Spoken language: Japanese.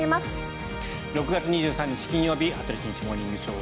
６月２３日、金曜日「羽鳥慎一モーニングショー」。